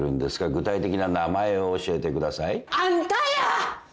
具体的な名前を教えてください。あんたや！